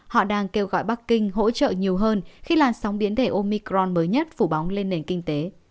họ đang kêu gọi bắc kinh hỗ trợ nhiều hơn khi làn sóng biến thể omicron mới nhất phủ bóng lên nền kinh tế